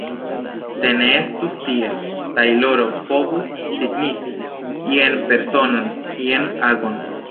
Se ne estus tiel, tajloro povus signifi jen personon, jen agon.